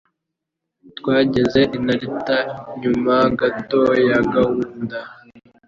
Twageze i Narita inyuma gato ya gahunda.